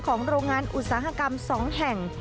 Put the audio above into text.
โรงงานอุตสาหกรรม๒แห่ง